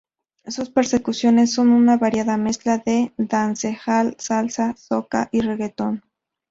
Sus percusiones son una variada mezcla de dancehall, salsa, soca y reguetón.